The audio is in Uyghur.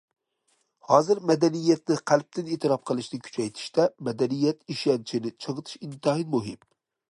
ھازىر، مەدەنىيەتنى قەلبتىن ئېتىراپ قىلىشنى كۈچەيتىشتە مەدەنىيەت ئىشەنچىنى چىڭىتىش ئىنتايىن مۇھىم.